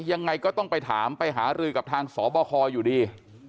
ยังไงก็ต้องไปถามไปหารือกับทางสบคอยู่ดี